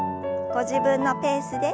ご自分のペースで。